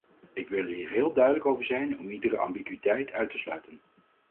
Ik wil hier heel duidelijk over zijn om iedere ambiguïteit uit te sluiten.